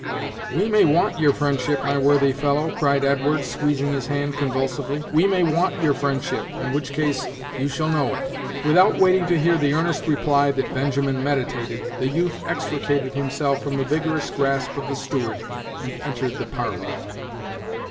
"We may want your friendship, my worthy fellow," cried Edwards, squeezing his hand convulsively; "we may want your friendship, in which case you shall know it." Without waiting to hear the earnest reply that Benjamin meditated, the youth extricated himself from the vigorous grasp of the steward, and entered the parlor.